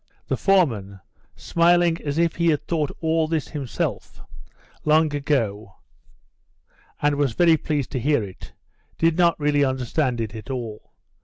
The foreman, smiling as if he had thought all this himself long ago, and was very pleased to hear it, did not really understand it at all.